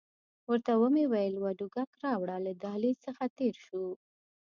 ورته ومې ویل وډکوک راوړه، له دهلیز څخه تېر شوو.